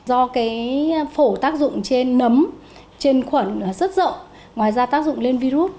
do cái phổ tác dụng trên nấm trên khuẩn rất rộng ngoài ra tác dụng lên virus